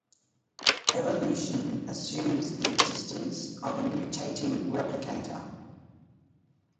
Evolution assumes the existence of a mutating replicator.